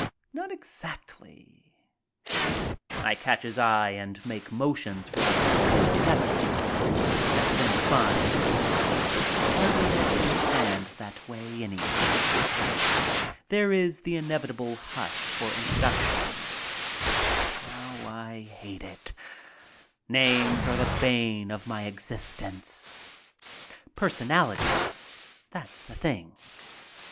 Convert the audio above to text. Not exactly. I catch his eye and make motions for us to sit together, and then find that the party had been planned that way anyhow. There is the inevitable hush for introductions. How I hate it. Names are the bane of my existence. Per sonalities, that's the thing.